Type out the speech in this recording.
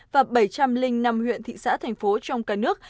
và bảy trăm linh năm huyện thị xã thành phố trong cả nước